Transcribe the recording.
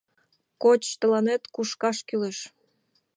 — Коч... тыланет кушкаш кӱлеш...